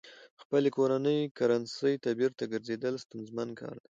خپلې کورنۍ کرنسۍ ته بېرته ګرځېدل ستونزمن کار دی.